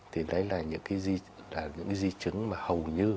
thì đấy là những di chứng mà hầu như